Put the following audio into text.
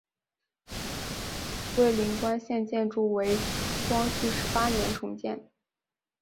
蔚岭关现建筑为清光绪十八年重建。